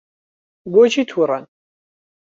بۆچی تووڕەن؟